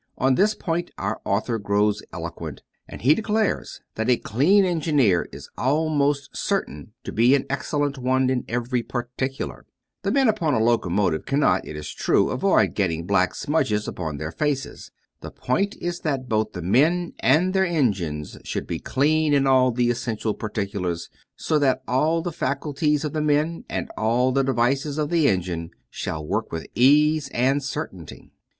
On this point our author grows eloquent, and he declares that a clean engineer is almost certain to be an excellent one in every particular. The men upon a locomotive cannot, it is true, avoid getting black smudge upon their faces. The point is that both the men and their engines should be clean in all the essential particulars, so that all the faculties of the men and all the devices of the engine shall work with ease and certainty.